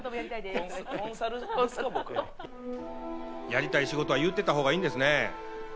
やりたい仕事は言ってったほうがいいんですね。